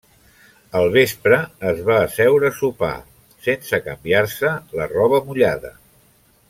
Al vespre es va asseure a sopar sense canviar-se la roba mullada.